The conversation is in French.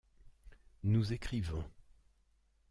Nous écrivons.